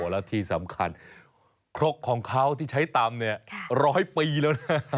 แล้วที่สำคัญครกของเขาที่ใช้ตำเนี่ย๑๐๐ปีแล้วนะ